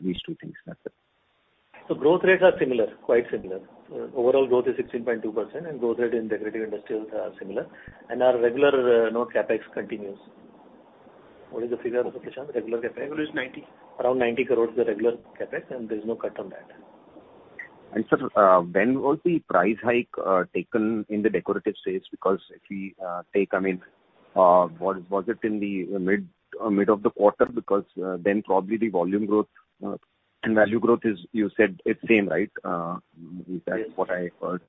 These two things, that's it. Growth rates are similar, quite similar. Overall growth is 16.2%, and growth rate in decorative industrials are similar. Our regular, you know, CapEx continues. What is the figure, Prashant, regular CapEx? Regular is 90 crore. Around 90 crore the regular CapEx, and there's no cut on that. Sir, when was the price hike taken in the decorative space? Because if we take, I mean, was it in the mid of the quarter? Because then probably the volume growth and value growth is you said it's same, right? That's what I heard.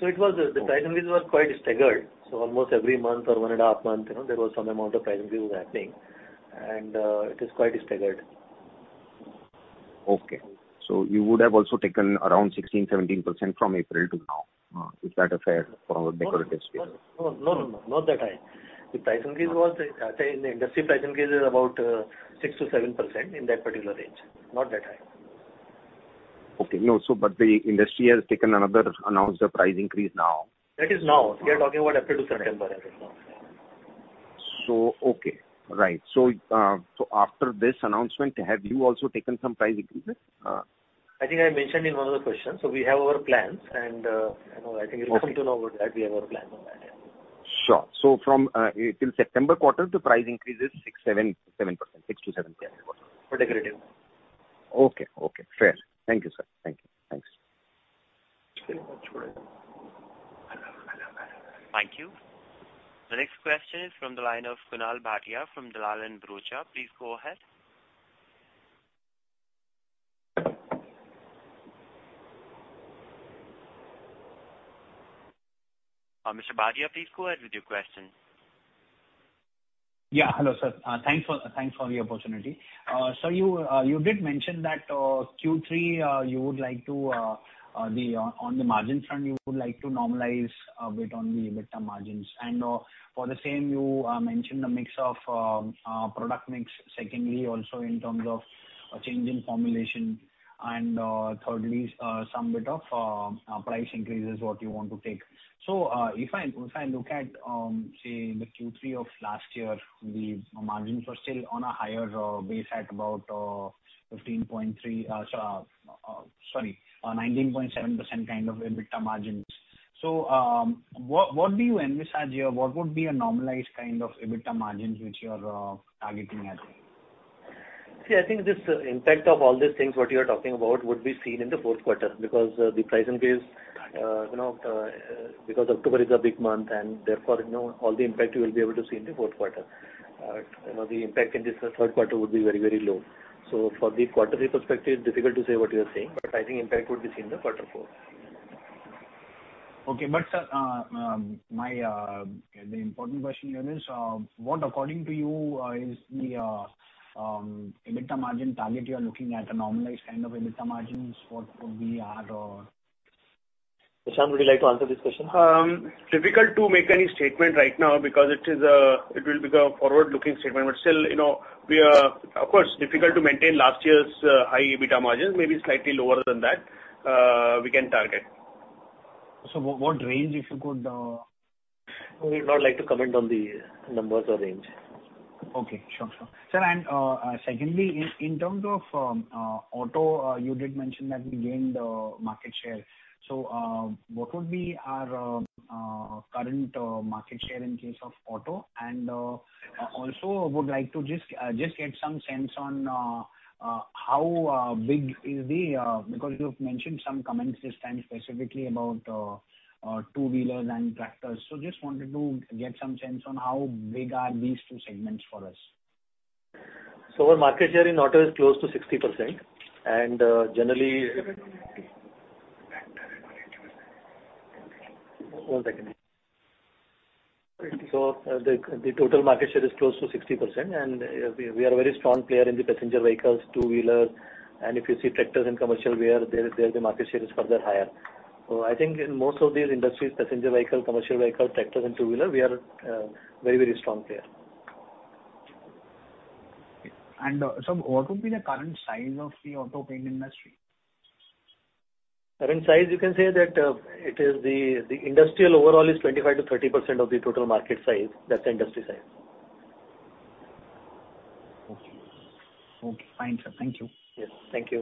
The price increases were quite staggered. Almost every month or one and a half month, you know, there was some amount of price increase was happening, and it is quite staggered. Okay. You would have also taken around 16%-17% from April to now. Is that fair for our decorative space? No, no, not that high. The price increase in the industry was about 6%-7%, in that particular range. Not that high. The industry has taken another announced price increase now. That is now. We are talking about April to September as of now. After this announcement, have you also taken some price increases? I think I mentioned in one of the questions. We have our plans and, you know, I think you're welcome to know that we have our plans on that. Sure. Till September quarter, the price increase is 6%-7%. For decorative. Okay. Fair. Thank you, sir. Thanks. Thank you. The next question is from the line of Kunal Bhatia from Dalal & Broacha. Please go ahead. Mr. Bhatia, please go ahead with your question. Yeah. Hello, sir. Thanks for the opportunity. You did mention that Q3, on the margin front, you would like to normalize a bit on the EBITDA margins. For the same, you mentioned the mix of product mix. Secondly, also in terms of a change in formulation. Thirdly, some bit of price increases what you want to take. If I look at, say in the Q3 of last year, the margins were still on a higher base at about 19.7% kind of EBITDA margins. What do you envisage here? What would be a normalized kind of EBITDA margins which you are targeting at? See, I think this impact of all these things, what you are talking about, would be seen in the fourth quarter because the price increase, you know, because October is a big month and therefore, you know, all the impact you will be able to see in the fourth quarter. You know, the impact in this third quarter would be very, very low. For the quarterly perspective, difficult to say what you're saying, but I think impact would be seen in the quarter four. Okay. Sir, the important question here is what according to you is the EBITDA margin target you are looking at, a normalized kind of EBITDA margins what would be our— Prashant, would you like to answer this question? It's difficult to make any statement right now because it will become a forward-looking statement. Still, you know, it's difficult to maintain last year's high EBITDA margins. Maybe slightly lower than that, we can target. What range, if you could— We would not like to comment on the numbers or range. Okay. Sure. Sir, secondly, in terms of auto, you did mention that we gained market share. What would be our current market share in case of auto? Also would like to just get some sense on because you've mentioned some comments this time specifically about two-wheelers and tractors. Just wanted to get some sense on how big are these two segments for us. Our market share in auto is close to 60% and the total market share is close to 60% and we are a very strong player in the passenger vehicles, two-wheeler, and if you see tractors and commercial, we are there the market share is further higher. I think in most of these industries, passenger vehicles, commercial vehicles, tractors and two-wheeler, we are very, very strong player. What would be the current size of the auto paint industry? Current size, you can say that it is the industrial overall is 25%-30% of the total market size. That's the industry size. Okay, fine, sir. Thank you. Yes. Thank you.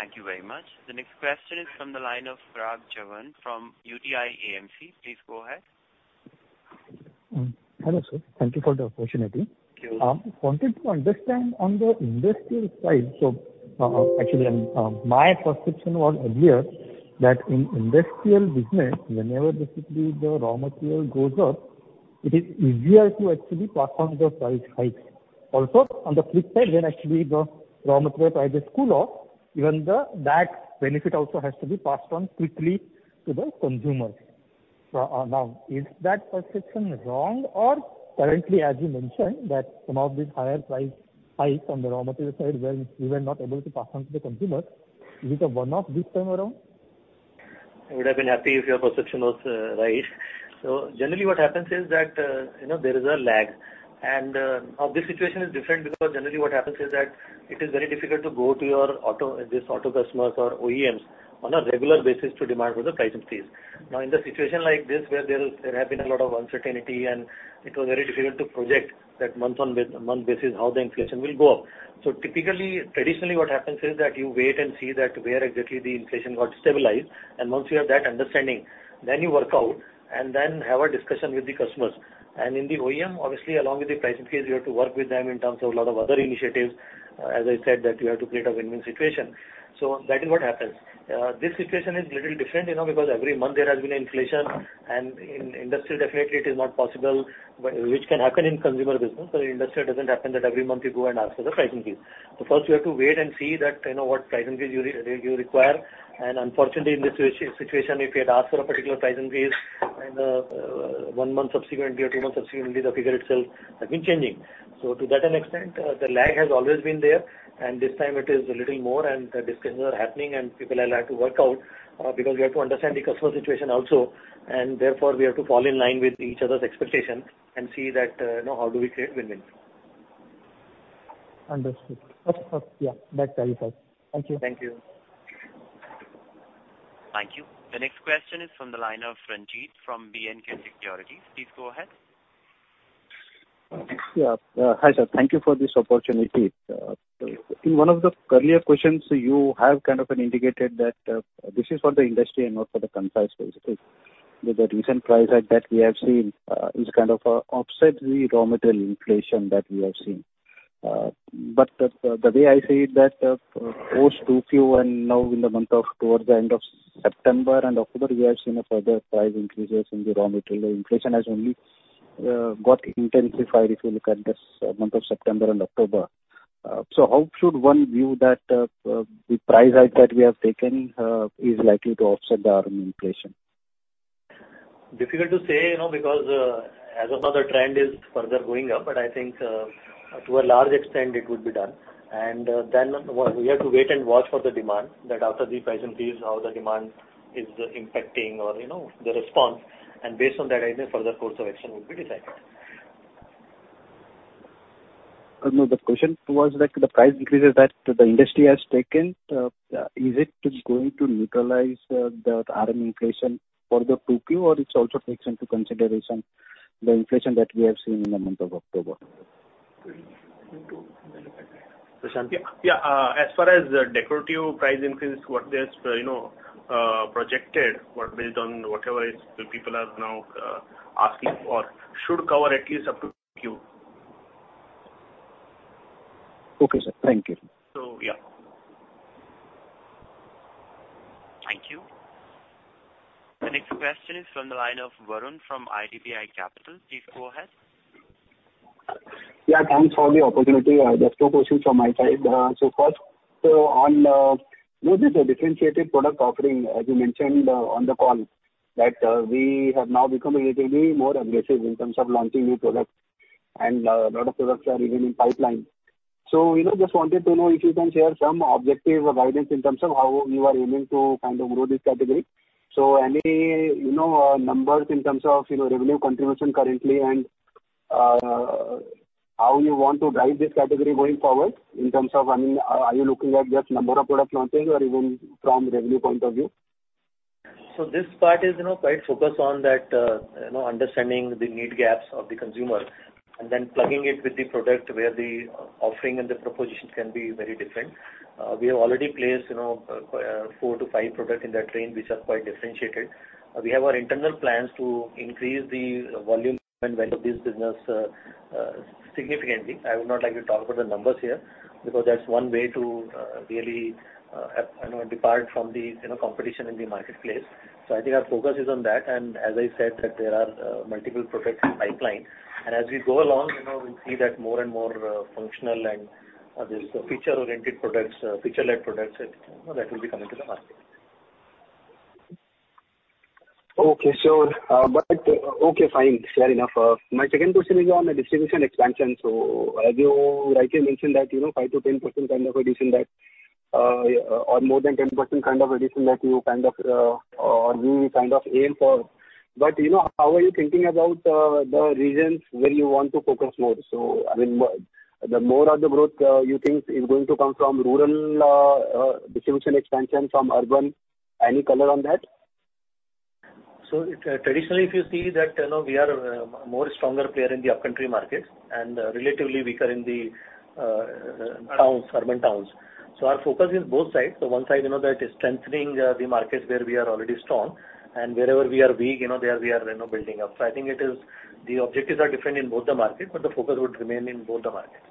Thank you very much. The next question is from the line of Parag Chavan from UTI AMC. Please go ahead. Hello sir. Thank you for the opportunity. Thank you. I wanted to understand on the industrial side, actually, my perception was earlier that in industrial business, whenever basically the raw material goes up, it is easier to actually pass on the price hikes. Also, on the flip side, when actually the raw material prices cool off, even the, that benefit also has to be passed on quickly to the consumers. Now is that perception wrong or currently as you mentioned that some of these higher price hikes on the raw material side were, you were not able to pass on to the consumers. Is it a one-off this time around? I would have been happy if your perception was, right. Generally what happens is that, you know, there is a lag and, now this situation is different because generally what happens is that it is very difficult to go to your auto, these auto customers or OEMs on a regular basis to demand for the price increase. Now, in the situation like this, where there have been a lot of uncertainty and it was very difficult to project that month-on-month basis how the inflation will go up. Typically, traditionally what happens is that you wait and see that where exactly the inflation got stabilized. Once you have that understanding then you work out and then have a discussion with the customers. In the OEM, obviously along with the price increase, you have to work with them in terms of a lot of other initiatives. As I said that you have to create a win-win situation. That is what happens. This situation is little different, you know, because every month there has been an inflation and in industry definitely it is not possible, but which can happen in consumer business. In industry it doesn't happen that every month you go and ask for the price increase. First you have to wait and see that, you know, what price increase you require. Unfortunately in this situation, if you had asked for a particular price increase and, one month subsequently or two months subsequently, the figure itself has been changing. To that extent, the lag has always been there, and this time it is a little more and the discussions are happening and people will have to work out, because we have to understand the customer situation also, and therefore we have to fall in line with each other's expectations and see that, you know, how do we create win-win. Understood. Okay. Yeah, that clarifies. Thank you. Thank you. Thank you. The next question is from the line of Ranjit from B&K Securities. Please go ahead. Yeah. Hi sir. Thank you for this opportunity. In one of the earlier questions, you have kind of indicated that this is for the industry and not for the Kansai basically, with the recent price hike that we have seen is kind of offset the raw material inflation that we have seen. The way I see it that post 2Q and now in the month towards the end of September and October, we have seen a further price increases in the raw material. The inflation has only got intensified if you look at this month of September and October. How should one view that the price hike that we have taken is likely to offset the raw material inflation? Difficult to say, you know, because, as of now the trend is further going up, but I think, to a large extent it would be done. Then we have to wait and watch for the demand that after the price increase, how the demand is impacting or, you know, the response. Based on that either further course of action will be decided. No, the question was like the price increases that the industry has taken, is it going to neutralize the raw material inflation for the 2Q or it also takes into consideration the inflation that we have seen in the month of October? Yeah. As far as decorative price increase, what they have, you know, projected or based on whatever the people are now asking for should cover at least up to 2Q. Okay, sir. Thank you. Thank you. The next question is from the line of Varun from IDBI Capital. Please go ahead. Yeah, thanks for the opportunity. Just two questions from my side. First, on this differentiated product offering as you mentioned on the call that we have now become a little bit more aggressive in terms of launching new products and a lot of products are even in pipeline. You know, just wanted to know if you can share some objective guidance in terms of how you are aiming to kind of grow this category. Any, you know, numbers in terms of, you know, revenue contribution currently and how you want to drive this category going forward in terms of, I mean, are you looking at just number of product launches or even from revenue point of view? This part is, you know, quite focused on that, understanding the need gaps of the consumer and then plugging it with the product where the offering and the propositions can be very different. We have already placed, you know, four to five products in that range which are quite differentiated. We have our internal plans to increase the volume and value of this business significantly. I would not like to talk about the numbers here because that's one way to really, you know, depart from the competition in the marketplace. I think our focus is on that. As I said that there are multiple products in pipeline. As we go along, you know, we'll see that more and more functional and feature-oriented products, feature-led products that, you know, that will be coming to the market. Okay, sure. Okay, fine. Fair enough. My second question is on the distribution expansion. As you rightly mentioned that, you know, 5%-10% kind of addition or more than 10% kind of addition that we kind of aim for. You know, how are you thinking about the regions where you want to focus more? I mean, the more of the growth you think is going to come from rural distribution expansion from urban? Any color on that? Traditionally, if you see that, you know, we are a more stronger player in the upcountry markets and relatively weaker in the towns, urban towns. Our focus is both sides. One side, you know, that is strengthening the markets where we are already strong and wherever we are weak, you know, there we are, you know, building up. I think it is the objectives are different in both the markets, but the focus would remain in both the markets.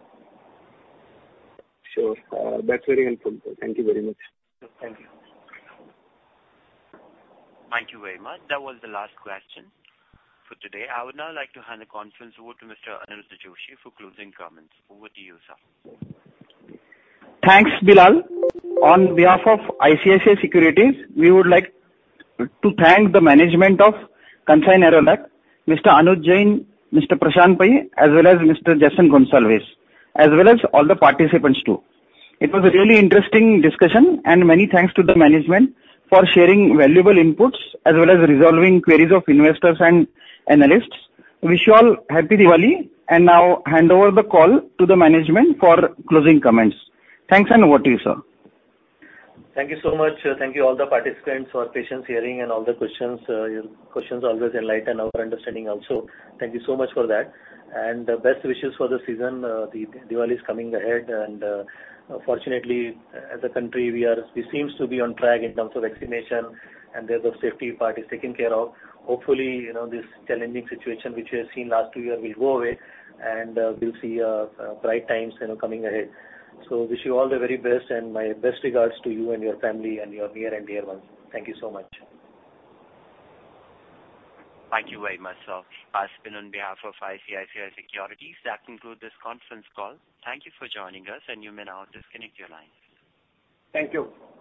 Sure. That's very helpful. Thank you very much. Thank you. Thank you very much. That was the last question for today. I would now like to hand the conference over to Mr. Aniruddha Joshi for closing comments. Over to you, sir. Thanks, Bilal. On behalf of ICICI Securities, we would like to thank the management of Kansai Nerolac, Mr. Anuj Jain, Mr. Prashant Pai as well as Mr. Jason Gonsalves, as well as all the participants, too. It was a really interesting discussion and many thanks to the management for sharing valuable inputs as well as resolving queries of investors and analysts. Wish you all Happy Diwali, and now hand over the call to the management for closing comments. Thanks, and over to you, sir. Thank you so much. Thank you all the participants for patient hearing and all the questions. Your questions always enlighten our understanding also. Thank you so much for that. Best wishes for the season. The Diwali is coming ahead and fortunately, as a country we seems to be on track in terms of vaccination and there's a safety part is taken care of. Hopefully, you know, this challenging situation which we have seen last two years will go away and we'll see bright times, you know, coming ahead. Wish you all the very best and my best regards to you and your family and your near and dear ones. Thank you so much. Thank you very much, sir. This has been on behalf of ICICI Securities. That concludes this conference call. Thank you for joining us and you may now disconnect your lines. Thank you.